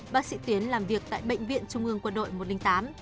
bác sĩ tiến làm việc tại bệnh viện trung ương quân đội một trăm linh tám